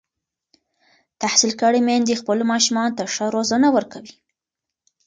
تحصیل کړې میندې خپلو ماشومانو ته ښه روزنه ورکوي.